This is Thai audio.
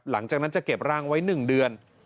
หลังจากนั้นจะเก็บร่างไว้๑เดือน